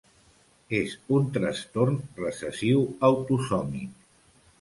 És un trastorn recessiu autosòmic.